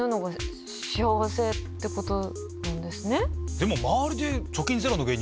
でも周りで。